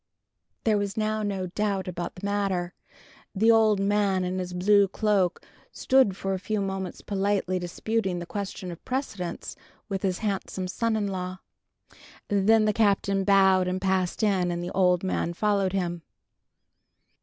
There was now no doubt about the matter. The old man in his blue cloak stood for a few moments politely disputing the question of precedence with his handsome son in law. Then the Captain bowed and passed in, and the old man followed him.